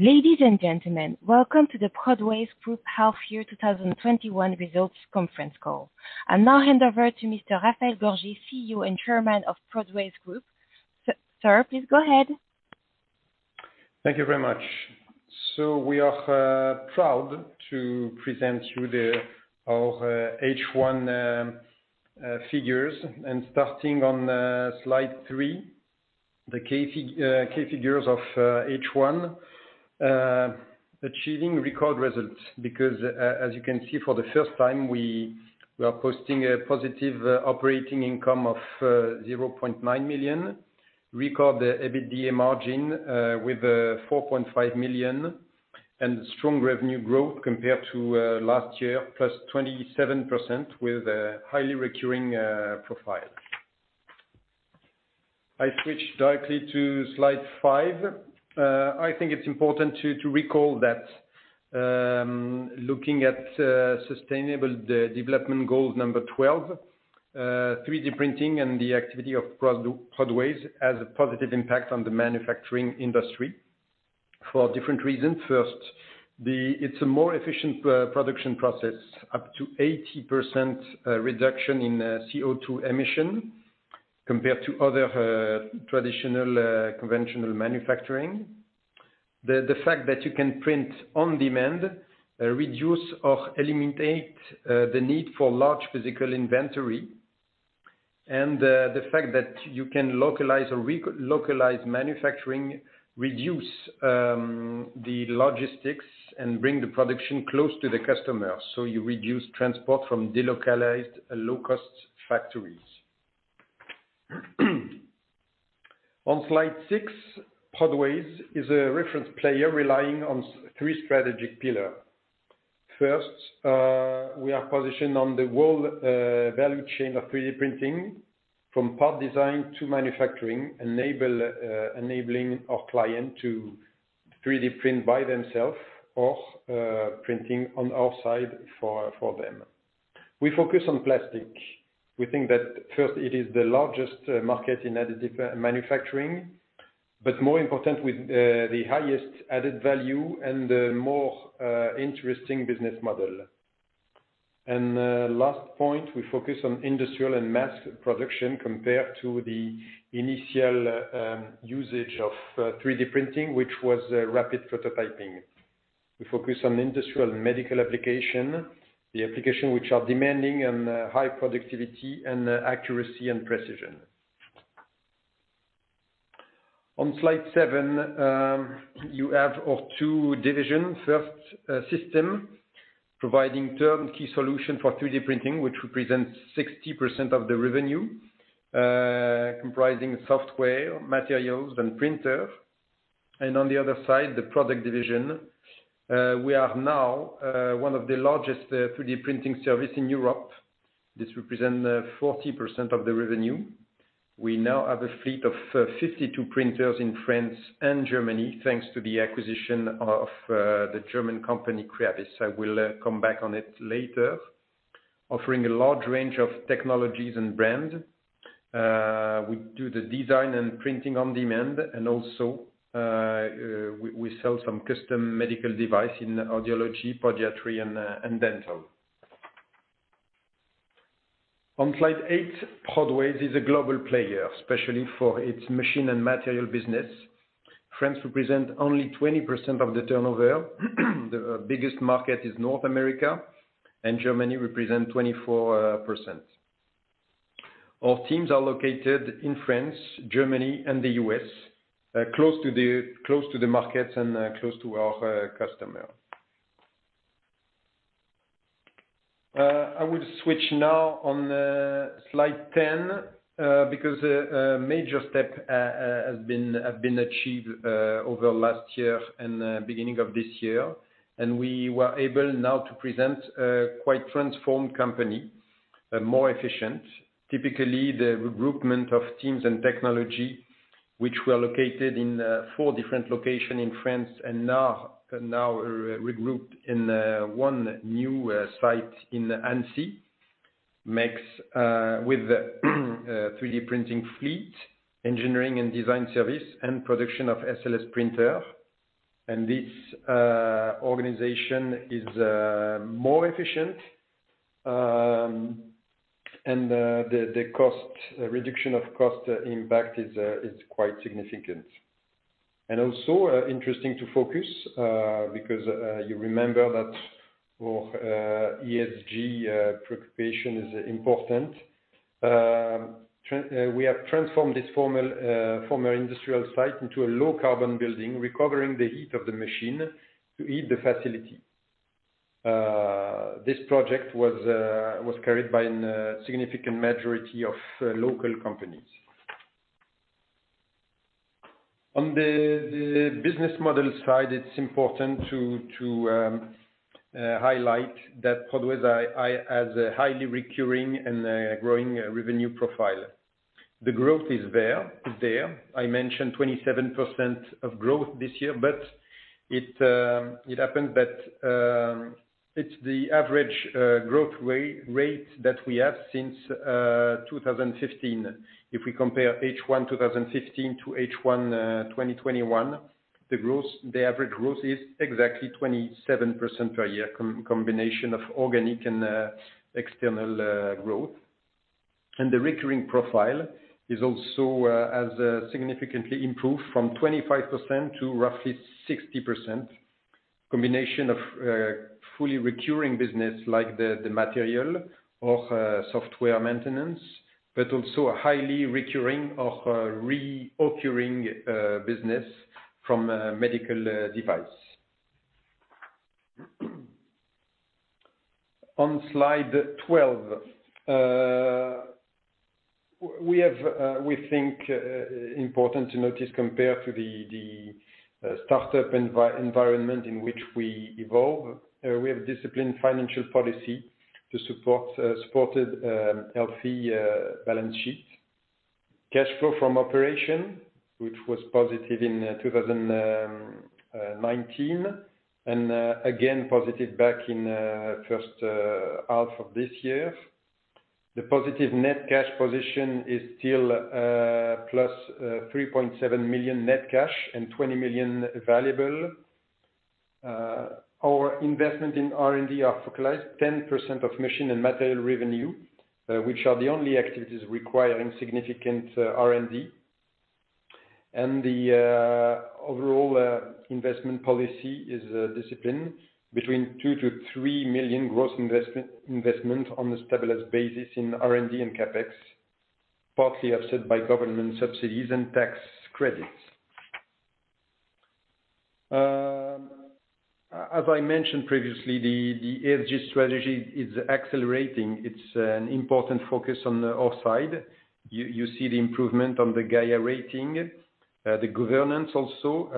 Ladies and gentlemen, welcome to the Prodways Group Half Year 2021 Results Conference Call. I now hand over to Mr. Raphaël Gorgé, Chief Executive Officer and Chairman of Prodways Group. Sir, please go ahead. Thank you very much. We are proud to present you our H1 figures, and starting on slide three, the key figures of H1. Achieving record results, because as you can see, for the first time, we are posting a positive operating income of 0.9 million. Record EBITDA margin with 4.5 million, and strong revenue growth compared to last year, +27% with a highly recurring profile. I switch directly to slide five. I think it's important to recall that looking at sustainable development goal number 12, 3D printing and the activity of Prodways has a positive impact on the manufacturing industry for different reasons. First, it's a more efficient production process, up to 80% reduction in CO2 emission compared to other traditional, conventional manufacturing. The fact that you can print on demand, reduce or eliminate the need for large physical inventory. The fact that you can localize manufacturing, reduce the logistics, and bring the production close to the customer, you reduce transport from delocalized low-cost factories. On slide six, Prodways is a reference player relying on three strategic pillar. We are positioned on the whole value chain of 3D printing, from part design to manufacturing, enabling our client to 3D print by themself or printing on our side for them. We focus on plastic. We think that first it is the largest market in additive manufacturing, more important with the highest added value and the more interesting business model. Last point, we focus on industrial and mass production compared to the initial usage of 3D printing, which was rapid prototyping. We focus on industrial medical application, the application which are demanding and high productivity and accuracy and precision. On slide seven, you have our two divisions. First system, providing turnkey solution for 3D printing, which represents 60% of the revenue, comprising software, materials, and printer. On the other side, the product division. We are now one of the largest 3D printing service in Europe. This represent 40% of the revenue. We now have a fleet of 52 printers in France and Germany, thanks to the acquisition of the German company, Creabis. I will come back on it later. Offering a large range of technologies and brand. We do the design and printing on demand, and also, we sell some custom medical device in audiology, podiatry, and dental. On slide eight, Prodways is a global player, especially for its machine and material business. France represent only 20% of the turnover. The biggest market is North America, and Germany represent 24%. Our teams are located in France, Germany, and the U.S., close to the markets and close to our customer. I will switch now on slide 10, because a major step has been achieved over last year and the beginning of this year, and we were able now to present a quite transformed company, more efficient. Typically, the regroupment of teams and technology, which were located in four different location in France, and now are regrouped in one new site in Annecy. Mix with 3D printing fleet, engineering and design service, and production of SLS printer. This organization is more efficient, and the reduction of cost impact is quite significant. Also interesting to focus, because you remember that our ESG preoccupation is important. We have transformed this former industrial site into a low-carbon building, recovering the heat of the machine to heat the facility. This project was carried by a significant majority of local companies. On the business model side, it's important to highlight that Prodways has a highly recurring and growing revenue profile. The growth is there. I mentioned 27% of growth this year, it happens that it's the average growth rate that we have since 2015. If we compare H1 2015 to H1 2021, the average growth is exactly 27% per year, combination of organic and external growth. The recurring profile has also significantly improved from 25% to roughly 60%. Combination of fully recurring business like the material or software maintenance, but also a highly recurring or reoccurring business from medical device. On slide 12. We think important to notice compared to the startup environment in which we evolve, we have disciplined financial policy to support healthy balance sheet. Cash flow from operation, which was positive in 2019 and again positive back in first half of this year. The positive net cash position is still +3.7 million net cash and 20 million value. Our investment in R&D are focused 10% of machine and material revenue, which are the only activities requiring significant R&D. The overall investment policy is disciplined between 2 million-3 million gross investment on a stabilized basis in R&D and CapEx, partly offset by government subsidies and tax credits. As I mentioned previously, the ESG strategy is accelerating. It's an important focus on our side. You see the improvement on the Gaia rating. The governance also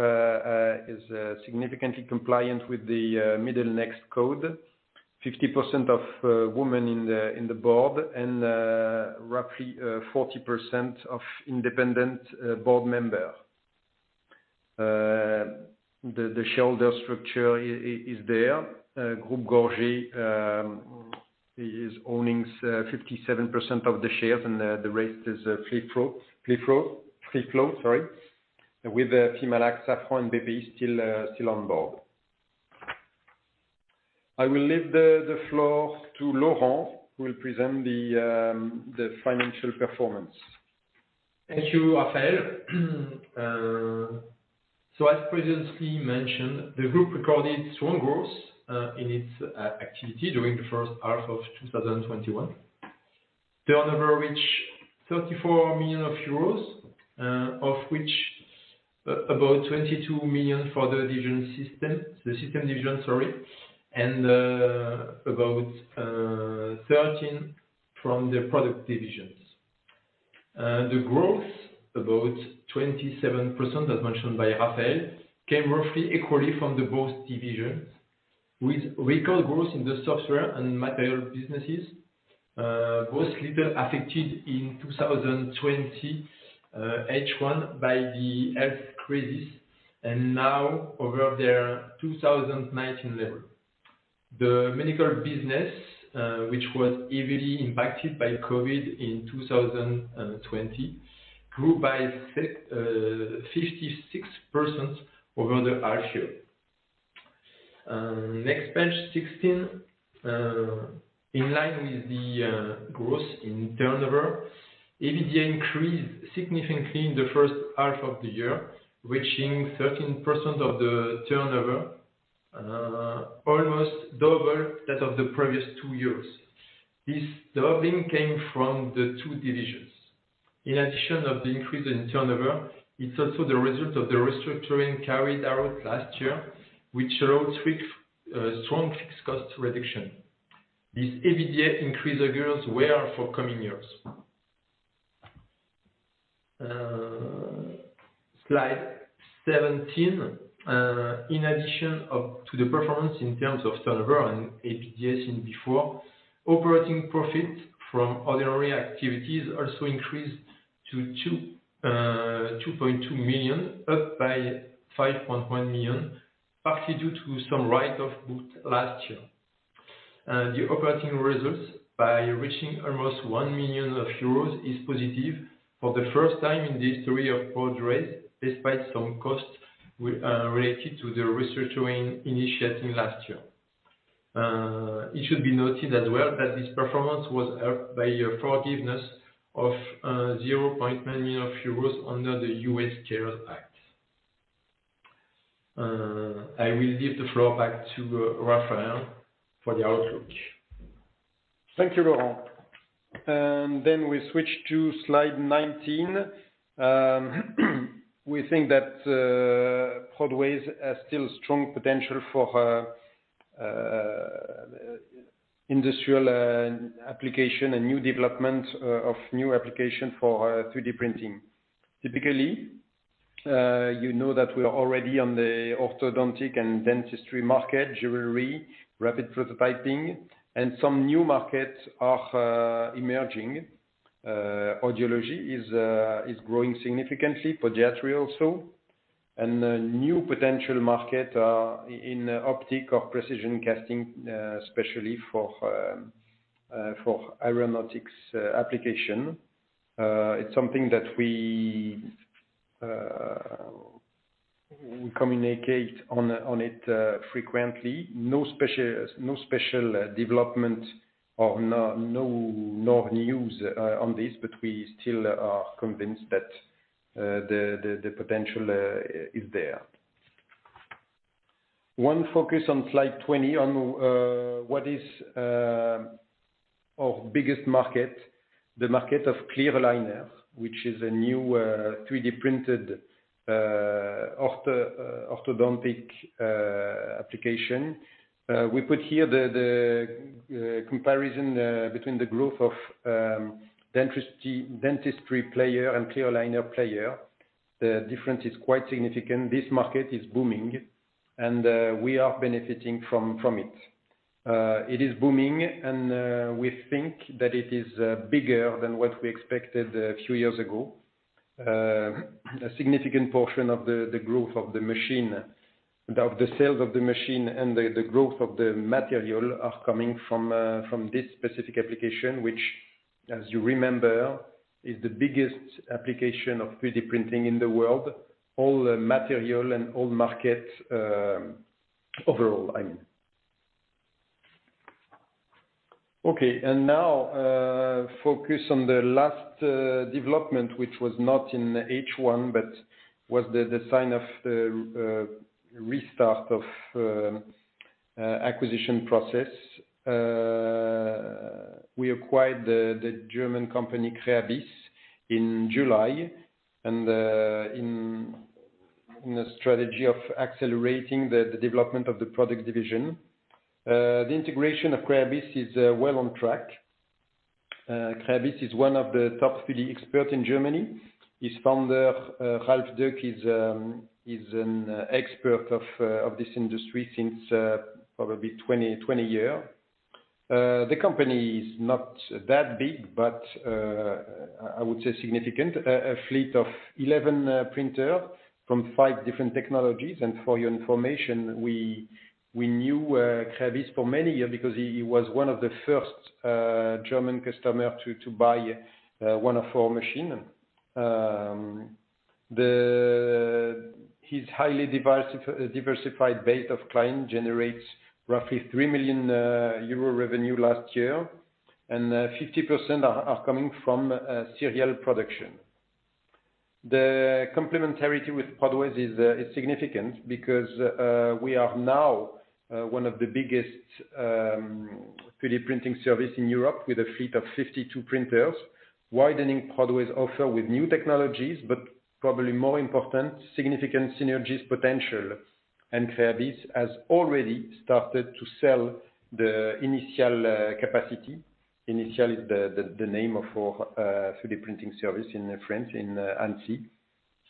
is significantly compliant with the Middlenext code, 50% of women in the board and roughly 40% of independent board member. The shareholder structure is there. Groupe Gorgé is owning 57% of the shares, and the rest is free flow. With Fimalac, Safran, BP still on board. I will leave the floor to Laurent, who will present the financial performance. Thank you, Raphaël. As previously mentioned, the group recorded strong growth in its activity during the first half of 2021. Turnover reached 34 million euros, of which about 22 million for the division system, the System division, sorry, and about 13 million from the product divisions. The growth, about 27%, as mentioned by Raphaël, came roughly equally from the both divisions, with record growth in the software and material businesses, both little affected in 2020 H1 by the health crisis and now over their 2019 level. The medical business, which was heavily impacted by COVID in 2020, grew by 56% over the half year. Next page, 16. In line with the growth in turnover, EBITDA increased significantly in the first half of the year, reaching 13% of the turnover, almost double that of the previous two years. This doubling came from the two divisions. In addition to the increase in turnover, it's also the result of the restructuring carried out last year, which allowed strong fixed cost reduction. This EBITDA increase bodes well for coming years. Slide 17. In addition to the performance in terms of turnover and EBITDA, operating profit from ordinary activities also increased to 2.2 million, up by 5.1 million, partly due to some write-off booked last year. The operating results, by reaching almost 1 million euros, are positive for the first time in the history of Prodways, despite some costs related to the restructuring initiated last year. It should be noted as well that this performance was helped by a forgiveness of 0.9 million euros under the U.S. CARES Act. I will give the floor back to Raphaël for the outlook. Thank you, Laurent. We switch to slide 19. We think that Prodways has still strong potential for industrial application and new development of new application for 3D printing. Typically, you know that we are already on the orthodontic and dentistry market, jewelry, rapid prototyping, and some new markets are emerging. Audiology is growing significantly, podiatry also. New potential market in optic or precision casting, especially for aeronautics application. It's something that we communicate on it frequently. No special development or no news on this, but we still are convinced that the potential is there. One focus on slide 20 on what is our biggest market, the market of clear aligner, which is a new 3D-printed orthodontic application. We put here the comparison between the growth of dentistry player and clear aligner player. The difference is quite significant. This market is booming, and we are benefiting from it. It is booming, and we think that it is bigger than what we expected a few years ago. A significant portion of the sales of the machine and the growth of the material are coming from this specific application, which, as you remember, is the biggest application of 3D printing in the world. All material and all markets overall, I mean. Okay. Now, focus on the last development, which was not in H1, but was the sign of the restart of acquisition process. We acquired the German company, Creabis, in July, and in a strategy of accelerating the development of the Prodways division. The integration of Creabis is well on track. Creabis is one of the top 3D expert in Germany. Its founder, Ralf Deuke, is an expert of this industry since probably 20 year. The company is not that big, but I would say significant. A fleet of 11 printer from five different technologies. For your information, we knew Creabis for many year because he was one of the first German customer to buy one of our machine. His highly diversified base of client generates roughly 3 million euro revenue last year, and 50% are coming from serial production. The complementarity with Prodways is significant because we are now one of the biggest 3D printing service in Europe with a fleet of 52 printers, widening Prodways offer with new technologies, but probably more important, significant synergies potential. Creabis has already started to sell the Initial capacity. Initial is the name of our 3D printing service in France, in Annecy.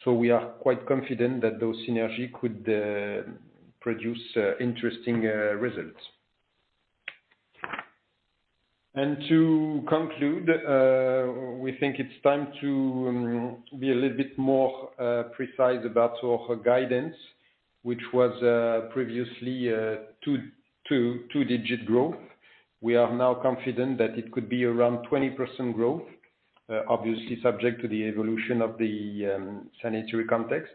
We are quite confident that those synergy could produce interesting results. To conclude, we think it's time to be a little bit more precise about our guidance, which was previously a two-digit growth. We are now confident that it could be around 20% growth, obviously subject to the evolution of the sanitary context.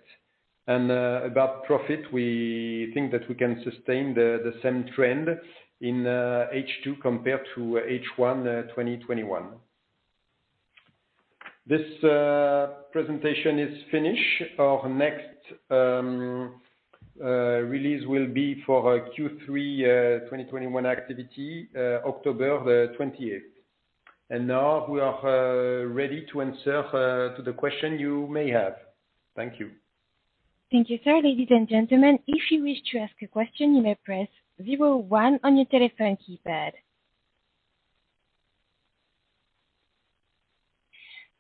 About profit, we think that we can sustain the same trend in H2 compared to H1 2021. This presentation is finished. Our next release will be for our Q3 2021 activity, October 20. Now we are ready to answer to the question you may have. Thank you. Thank you, sir. Ladies and gentlemen, if you wish to ask a question, you may press 01 on your telephone keypad.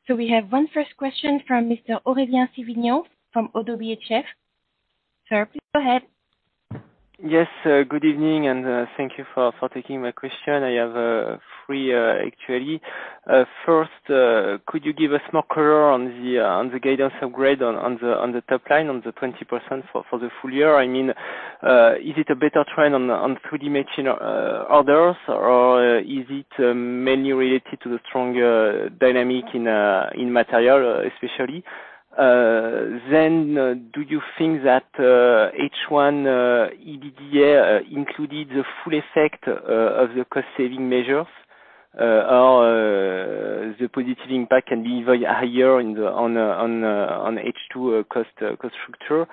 We have one first question from Mr. [Olivier Sevignon] from ODDO BHF. Sir, please go ahead. Yes. Good evening, thank you for taking my question. I have three actually. First, could you give us more color on the guidance upgrade on the top line, on the 20% for the full year? I mean, is it a better trend on 3D machine orders, or is it mainly related to the stronger dynamic in material especially? Do you think that H1 EBITDA included the full effect of the cost saving measures? The positive impact can be very higher on H2 cost structure?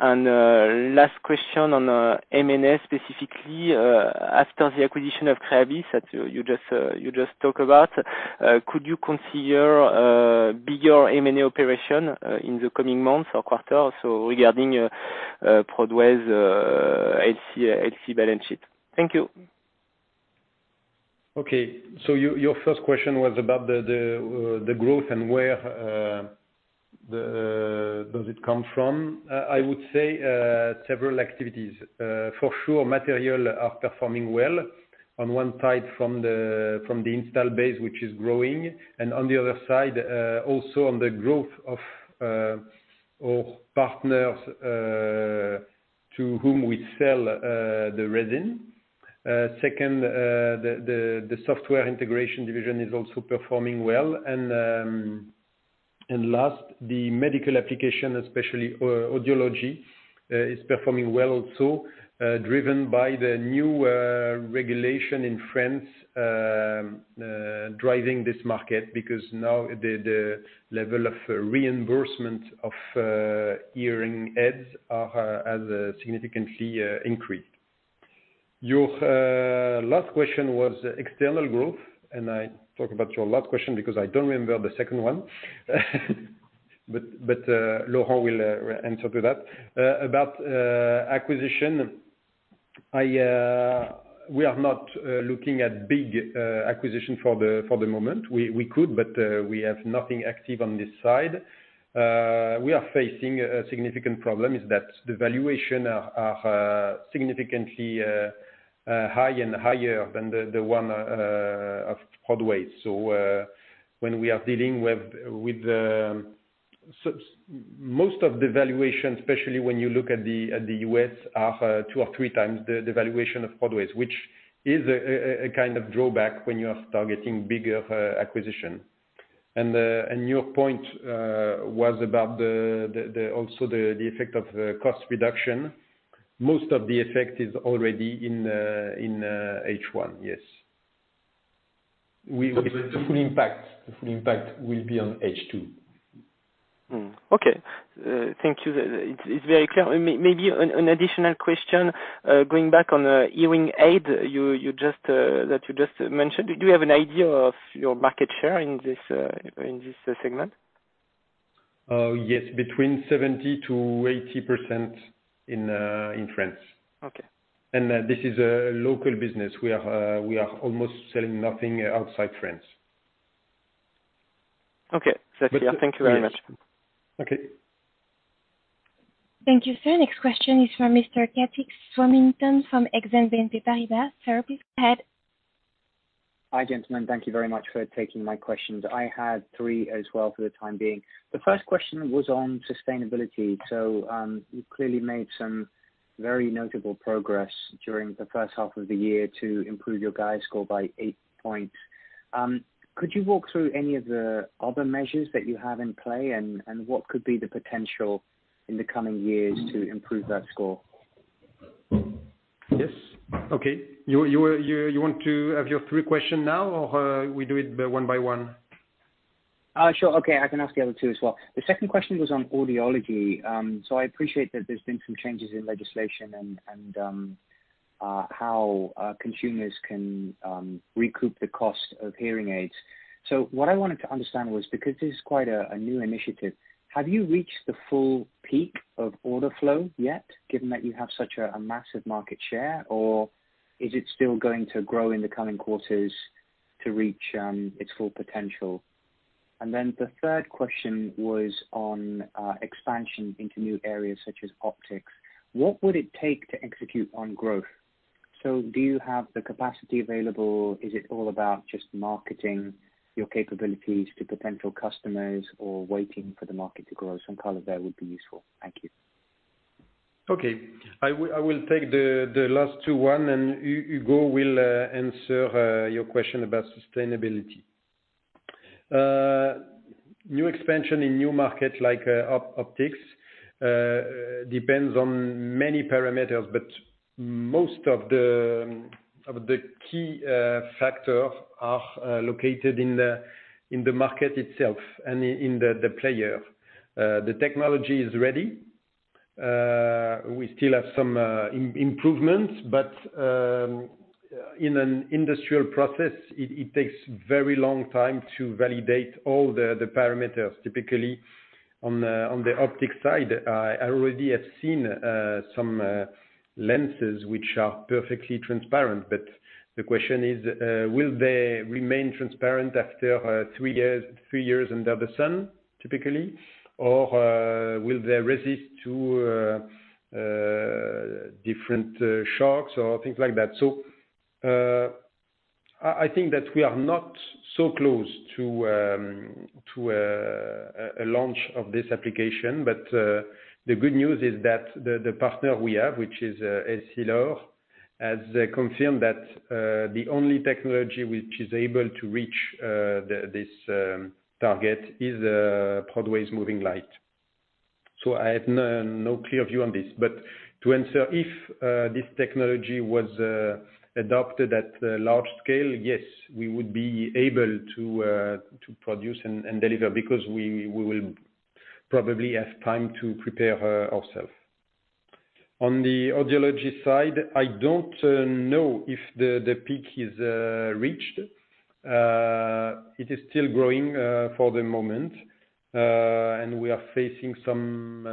Last question on M&A specifically. After the acquisition of Creabis that you just talk about, could you consider a bigger M&A operation in the coming months or quarter also regarding Prodways' healthy balance sheet? Thank you. Okay. Your first question was about the growth and where does it come from? I would say several activities. For sure, material are performing well on one side from the install base, which is growing. On the other side, also on the growth of our partners to whom we sell the resin. Second, the software integration division is also performing well. Last, the medical application, especially audiology, is performing well also driven by the new regulation in France driving this market because now the level of reimbursement of hearing aids has significantly increased. Your last question was external growth, and I talk about your last question because I don't remember the second one. Laurent will answer to that. About acquisition, we are not looking at big acquisition for the moment. We could, but we have nothing active on this side. We are facing a significant problem is that the valuation are significantly high and higher than the one of Prodways. Most of the valuation, especially when you look at the U.S., are two or three times the valuation of Prodways, which is a kind of drawback when you are targeting bigger acquisition. Your point was about also the effect of cost reduction. Most of the effect is already in H1. Yes. The full impact will be on H2. Okay. Thank you. It's very clear. Maybe an additional question, going back on the hearing aid that you just mentioned. Do you have an idea of your market share in this segment? Yes, between 70%-80% in France. Okay. This is a local business. We are almost selling nothing outside France. Okay. Thank you very much. Okay. Thank you, sir. Next question is from Mr. [Katie Sherrington] from Exane BNP Paribas. Sir, please go ahead. Hi, gentlemen. Thank you very much for taking my questions. I had three as well for the time being. The first question was on sustainability. You clearly made some very notable progress during the first half of the year to improve your Gaia score by eight points. Could you walk through any of the other measures that you have in play and what could be the potential in the coming years to improve that score? Yes. Okay. You want to have your three question now, or we do it one by one? Sure. Okay. I can ask the other two as well. The second question was on audiology. I appreciate that there's been some changes in legislation and how consumers can recoup the cost of hearing aids. What I wanted to understand was, because this is quite a new initiative, have you reached the full peak of order flow yet, given that you have such a massive market share, or is it still going to grow in the coming quarters to reach its full potential? The third question was on expansion into new areas such as optics. What would it take to execute on growth? Do you have the capacity available? Is it all about just marketing your capabilities to potential customers or waiting for the market to grow? Some color there would be useful. Thank you. Okay. I will take the last two. One Hugo will answer your question about sustainability. New expansion in new markets like optics depends on many parameters. Most of the key factors are located in the market itself and in the player. The technology is ready. We still have some improvements. In an industrial process, it takes very long time to validate all the parameters. Typically, on the optics side, I already have seen some lenses which are perfectly transparent. The question is, will they remain transparent after three years under the sun, typically, or will they resist to different shocks or things like that? I think that we are not so close to a launch of this application. The good news is that the partner we have, which is Essilor, has confirmed that the only technology which is able to reach this target is Prodways MOVINGLight. I have no clear view on this. To answer, if this technology was adopted at large scale, yes, we would be able to produce and deliver because we will probably have time to prepare ourselves. On the audiology side, I don't know if the peak is reached. It is still growing for the moment, and we are facing some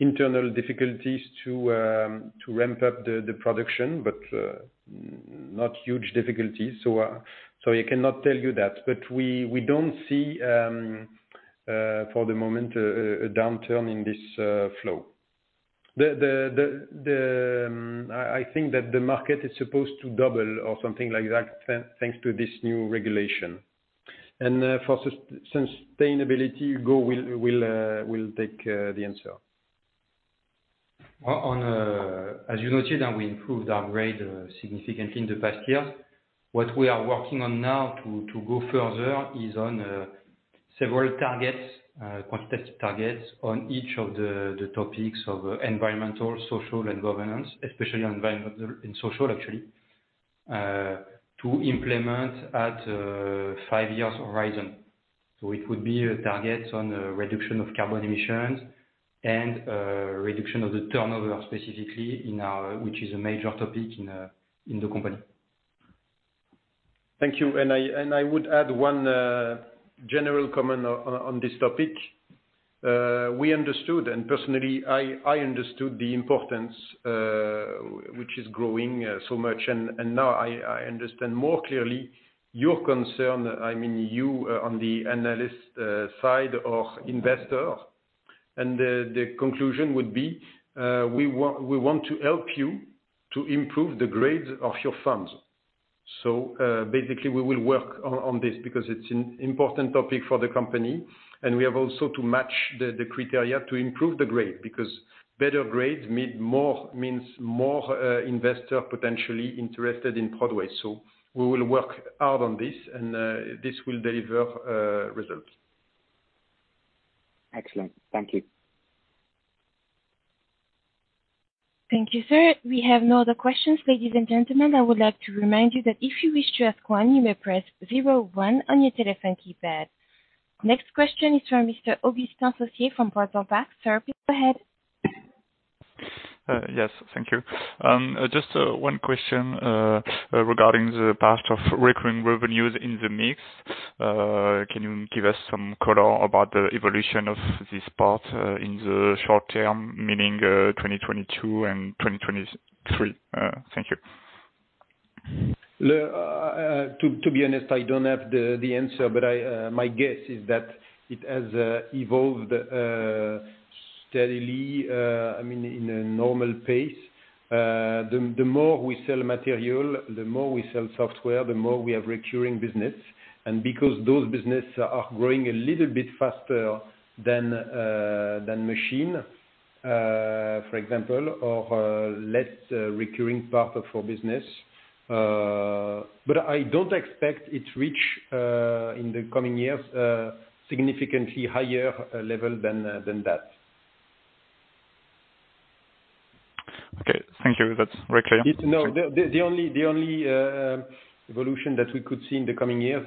internal difficulties to ramp up the production, but not huge difficulties. I cannot tell you that. We don't see, for the moment, a downturn in this flow. I think that the market is supposed to double or something like that, thanks to this new regulation. For sustainability, Hugo will take the answer. As you noted, we improved our grade significantly in the past year. What we are working on now to go further is on several targets, quantitative targets on each of the topics of environmental, social, and governance, especially on environmental and social, actually, to implement at five years horizon. It would be a target on reduction of carbon emissions and reduction of the turnover, specifically, which is a major topic in the company. Thank you. I would add one general comment on this topic. We understood, and personally, I understood the importance, which is growing so much, and now I understand more clearly your concern. I mean, you on the analyst side of investor. The conclusion would be, we want to help you to improve the grades of your funds. Basically we will work on this because it's an important topic for the company, and we have also to match the criteria to improve the grade, because better grades means more investor potentially interested in Prodways. We will work hard on this, and this will deliver results. Excellent. Thank you. Thank you, sir. We have no other questions. Ladies and gentlemen, I would like to remind you that if you wish to ask one, you may press 01 on your telephone keypad. Next question is from Mr. Augustin Socié from Portzamparc. Sir, please go ahead. Yes, thank you. Just one question regarding the part of recurring revenues in the mix. Can you give us some color about the evolution of this part in the short term, meaning 2022 and 2023? Thank you. To be honest, I don't have the answer, but my guess is that it has evolved steadily, in a normal pace. The more we sell material, the more we sell software, the more we have recurring business. Because those business are growing a little bit faster than machine, for example, or less recurring part of our business. I don't expect it reach, in the coming years, significantly higher level than that. Okay. Thank you. That's very clear. The only evolution that we could see in the coming years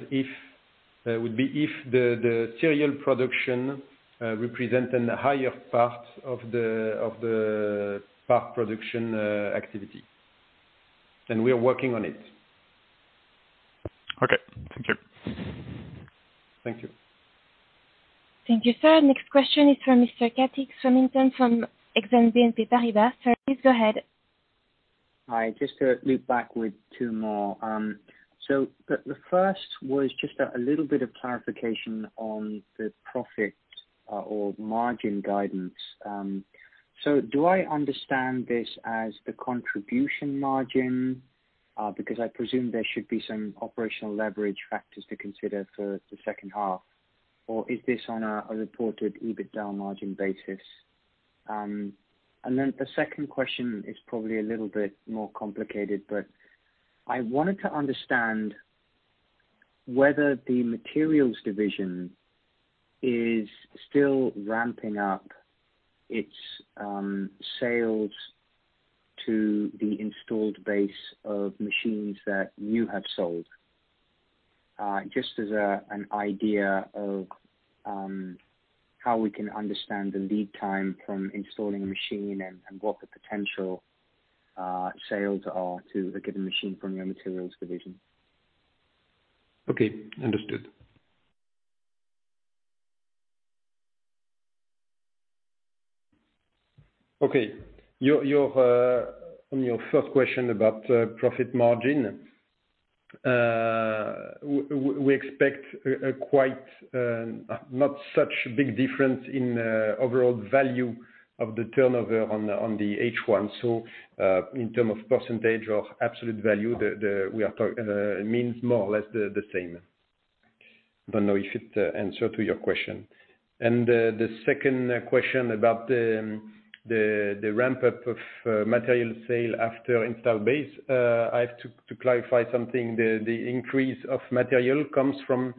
would be if the serial production represent a higher part of the part production activity. We are working on it. Okay. Thank you. Thank you. Thank you, sir. Next question is from Mr. [Katie Sherrington] from Exane BNP Paribas. Sir, please go ahead. Hi. Just to loop back with two more. The first was just a little bit of clarification on the profit or margin guidance. Do I understand this as the contribution margin? Because I presume there should be some operational leverage factors to consider for the second half. Or is this on a reported EBITDA margin basis? The second question is probably a little bit more complicated, but I wanted to understand whether the materials division is still ramping up its sales to the installed base of machines that you have sold. Just as an idea of how we can understand the lead time from installing a machine and what the potential sales are to a given machine from your materials division. Okay. Understood. Okay. On your first question about profit margin, we expect not such a big difference in overall value of the turnover on the H1. In term of percentage of absolute value, it means more or less the same. I don't know if it answer to your question. The second question about the ramp up of material sale after install base, I have to clarify something. The increase of material comes from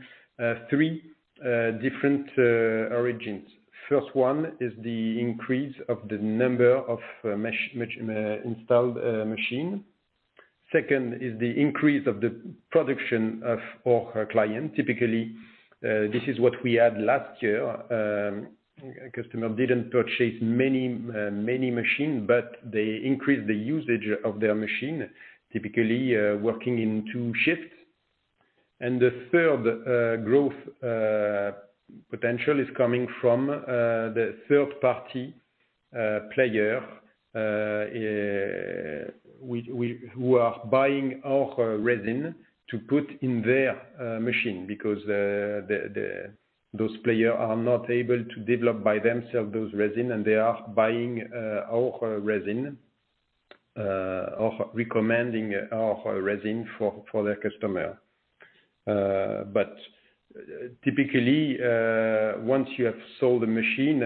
three different origins. First one is the increase of the number of installed machine. Second is the increase of the production of our client. Typically, this is what we had last year. A customer didn't purchase many machine, but they increased the usage of their machine. Typically, working in two shifts. The third growth potential is coming from the third-party player who are buying our resin to put in their machine because those players are not able to develop by themselves those resin, and they are buying our resin or recommending our resin for their customer. Typically, once you have sold the machine,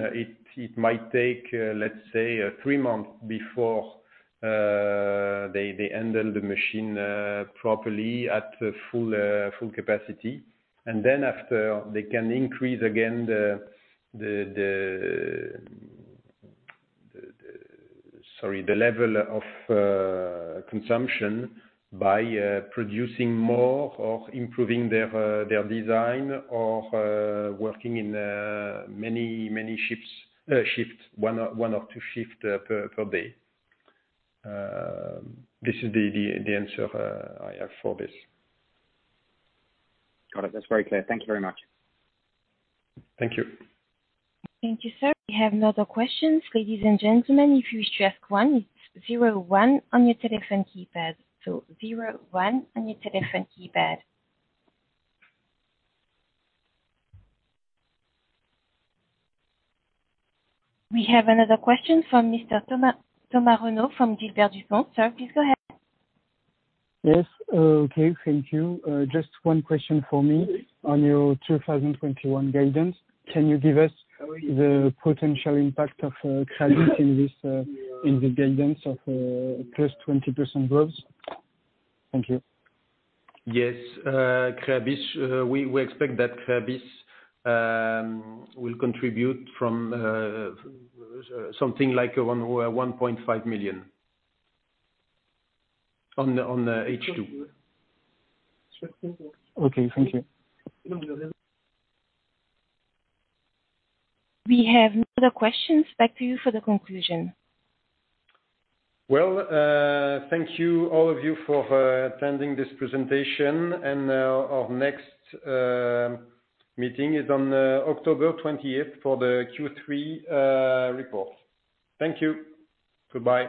it might take, let's say, three months before they handle the machine properly at full capacity. Then after, they can increase again the level of consumption by producing more or improving their design, or working in many shifts, one or two shifts per day. This is the answer I have for this. Got it. That's very clear. Thank you very much. Thank you. Thank you, sir. We have another question. Ladies and gentlemen, if you wish to ask one, it's zero one on your telephone keypad. zero one on your telephone keypad. We have another question from Mr. Thomas Renaud from Gilbert Dupont. Sir, please go ahead. Yes. Okay. Thank you. Just one question for me on your 2021 guidance. Can you give us the potential impact of Creabis in the guidance of +20% growth? Thank you. Yes. We expect that Creabis will contribute from something like EUR 1.5 million on H2. Okay. Thank you. We have no other questions. Back to you for the conclusion. Well, thank you all of you for attending this presentation. Our next meeting is on October 20 for the Q3 report. Thank you. Goodbye.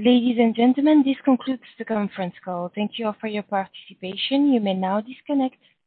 Ladies and gentlemen, this concludes the conference call. Thank you all for your participation, you may now disconnect.